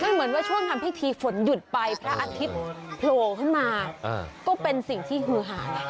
เหมือนว่าช่วงทำพิธีฝนหยุดไปพระอาทิตย์โผล่ขึ้นมาก็เป็นสิ่งที่ฮือหาไง